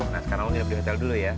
nah sekarang lo nginep di hotel dulu ya